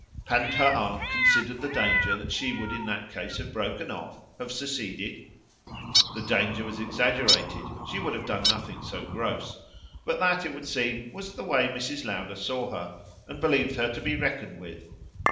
Hadn't her aunt considered the danger that she would in that case have broken off, have seceded? The danger was exaggerated she would have done nothing so gross; but that, it would seem, was the way Mrs. Lowder saw her and believed her to be reckoned with.